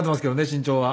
身長は。